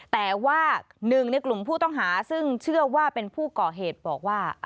แต่ว่าหนึ่งในกลุ่มผู้ต้องหาซึ่งเชื่อว่าเป็นผู้ก่อเหตุบอกว่า